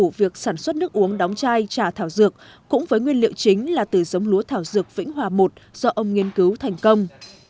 vụ việc sản xuất nước uống đóng chai trà thảo dược cũng với nguyên liệu chính là từ giống lúa thảo dược vĩnh hòa i do ông nghiên cứu thành công